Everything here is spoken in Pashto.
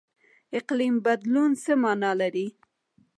اقلیم بدلون څه مانا لري؟